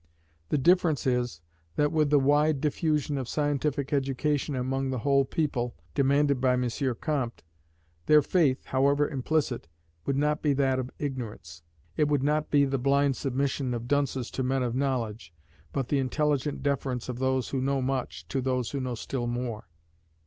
The difference is, that with the wide diffusion of scientific education among the whole people, demanded by M. Comte, their faith, however implicit, would not be that of ignorance: it would not be the blind submission of dunces to men of knowledge, but the intelligent deference of those who know much, to those who know still more.